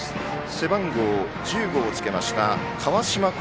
背番号１５をつけました川島功